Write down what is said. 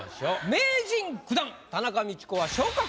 名人９段田中道子は。